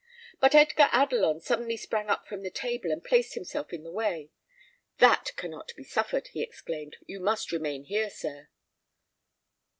But Edgar Adelon suddenly sprang up from the table, and placed himself in the way. "That cannot be suffered," he exclaimed. "You must remain here, sir."